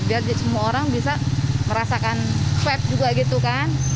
biar semua orang bisa merasakan swab juga gitu kan